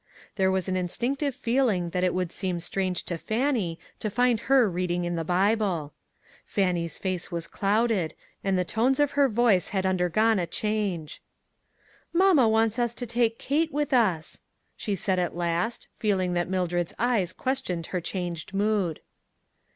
There was an in stinctive feeling that it would seem strange to Fannie to find her reading in the Bible. Fannie's face was clouded, and the tones of her voice had undergone a change. "Mamma wants us to take Kate with us," she said at last, feeling that Mildred's eyes questioned her changed mood.